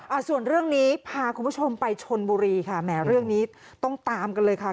อ่าส่วนเรื่องนี้พาคุณผู้ชมไปชนบุรีค่ะแหมเรื่องนี้ต้องตามกันเลยค่ะ